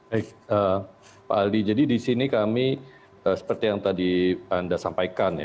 baik pak aldi jadi di sini kami seperti yang tadi anda sampaikan ya